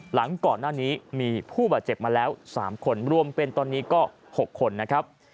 หลังก่อนหน้านี้มีผู้บาดเจ็บมาแล้ว๓คนรวมเป็นตอนนี้ก็๖คนนะครับ